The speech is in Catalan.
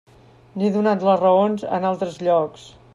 N'he donat les raons en altres llocs.